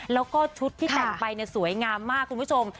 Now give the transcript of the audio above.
แล้วก็ชุดที่แต่งไปสวยงามมากคุณผู้ชม